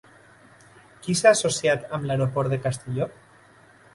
Qui s'ha associat amb l'aeroport de Castelló?